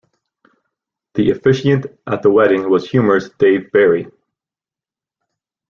The officiant at the wedding was humorist Dave Barry.